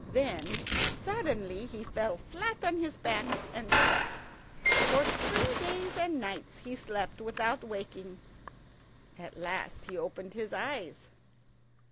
Then suddenly he fell flat on his back and slept. For three days and nights he slept without waking. At last he opened his eyes.